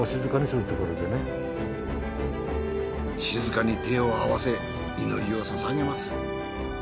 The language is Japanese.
静かに手を合わせ祈りを捧げます。